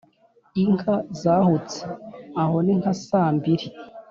Inka zahutse (aho ni nka saa mbiri)